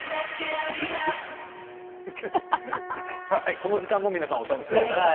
この時間もお楽しみください